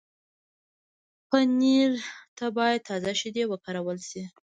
پنېر ته باید تازه شیدې وکارول شي.